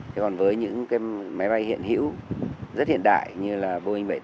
thế còn với những cái máy bay hiện hữu rất hiện đại như là boeing bảy trăm tám mươi bảy